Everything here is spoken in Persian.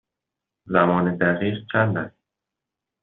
زمان دقیق چند است؟